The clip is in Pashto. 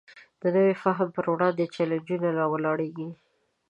د نوي فهم پر وړاندې چلینجونه راولاړېږي.